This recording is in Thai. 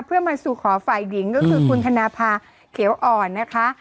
เพื่อมาสู่ขอฝ่ายหญิงก็คือคุณธนภาเขียวอ่อนนะคะ